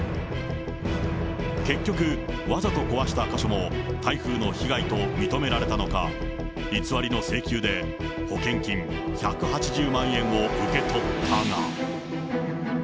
結局、わざと壊した箇所も台風の被害と認められたのか、偽りの請求で保険金１８０万円を受け取ったが。